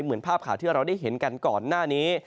เหมือนภาพข่าวที่เราได้เห็นกันก่อนหน้านี้